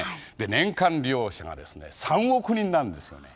年間利用者がですね３億人なんですよね。